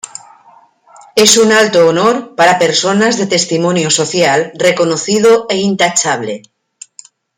Es un alto honor para personas de testimonio social, reconocido e intachable.